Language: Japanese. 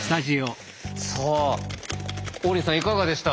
さあ王林さんいかがでした？